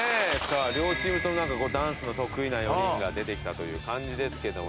さあ両チームともなんかダンスの得意な４人が出てきたという感じですけど。